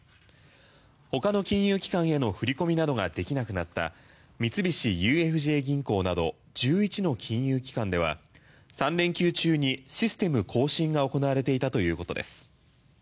ほかの金融機関への振り込みなどができなくなった三菱ＵＦＪ銀行など１１の金融機関では３連休中にシステム更新が行われていたということです。